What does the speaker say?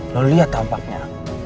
lo lihat tampaknya